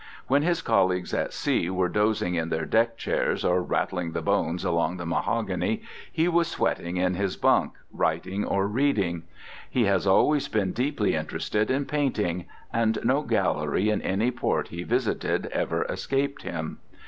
When his colleagues at sea were dozing in their deck chairs or rattling the bones along the mahogany, he was sweating in his bunk, writing or reading. He has always been deeply interested in painting, and no gallery in any port he visited ever escaped him.